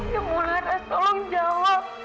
bularas tolong jawab